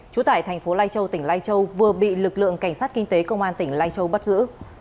trú tại thành phố lai châu tỉnh lai châu vừa bị lực lượng cảnh sát kinh tế công an tỉnh lai châu bắt giữ